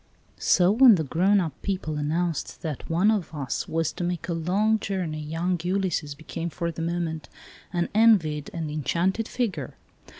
So when the grown up people announced that one of us was to make a long journey young Ulysses became for the moment an envied and enchanted A RAILWAY JOURNEY 9 figure.